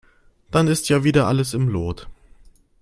Dann ist ja wieder alles im Lot.